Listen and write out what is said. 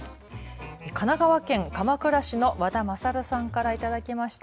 神奈川県鎌倉市の和田昌さんから頂きました。